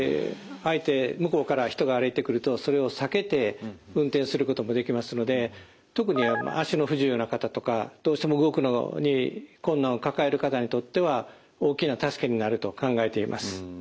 向こうから人が歩いてくるとそれを避けて運転することもできますので特に足の不自由な方とかどうしても動くのに困難を抱える方にとっては大きな助けになると考えています。